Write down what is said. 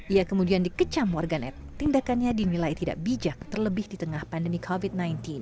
ia kemudian dikecam warganet tindakannya dinilai tidak bijak terlebih di tengah pandemi covid sembilan belas